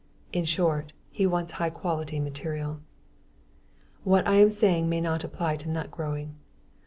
In short, he wants high quality material. What I am saying may not apply to nut growing.